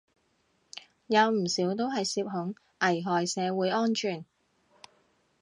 有唔少都係涉恐，危害社會安全